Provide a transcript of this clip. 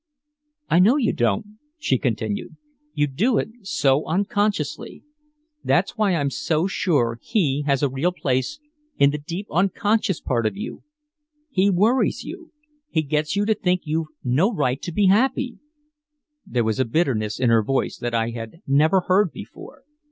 "I know you don't," she continued, "you do it so unconsciously. That's why I'm so sure he has a real place in the deep unconscious part of you. He worries you. He gets you to think you've no right to be happy!" There was a bitterness in her voice that I had never heard before.